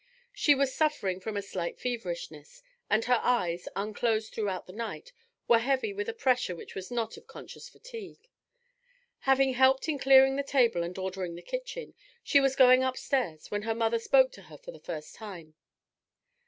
She was suffering from a slight feverishness, and her eyes, unclosed throughout the night, were heavy with a pressure which was not of conscious fatigue. Having helped in clearing the table and ordering the kitchen, she was going upstairs when her mother spoke to her for the first time.